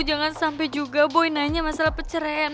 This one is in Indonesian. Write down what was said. jangan sampe juga boy nanya masalah peceren